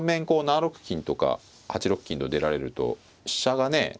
こう７六金とか８六金と出られると飛車がね。